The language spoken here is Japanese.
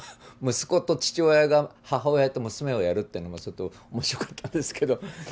息子と父親が母親と娘をやるっていうのもちょっと面白かったですけど。